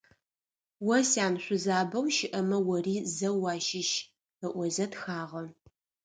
«О, сян, шъузабэу щыӏэмэ ори зэу уащыщ…», - ыӏозэ тхагъэ.